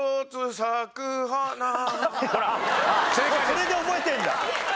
それで覚えてるんだ。